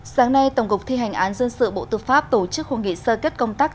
sáng nay tổng cục thi hành án dân sự bộ tư pháp tổ chức hội nghị sơ kết công tác